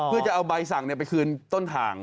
เพื่อจะเอาใบสั่งไปคืนต้นทาง